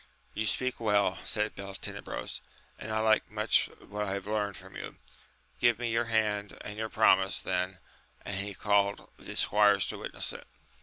You speak well, said Beltenebrogi, and I like much what I have learnt from you ; give me your hand and your promise then; and he called the squires to witness it.